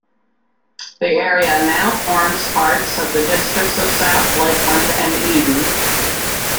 The area now forms parts of the districts of South Lakeland and Eden.